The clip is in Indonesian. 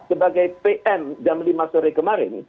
sebagai pn jam lima sore kemarin